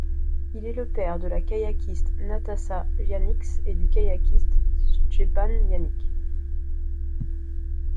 Il est le père de la kayakiste Natasa Janics et du kayakiste Stjepan Janić.